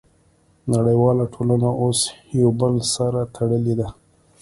نړیواله ټولنه اوس یو بل سره تړلې ده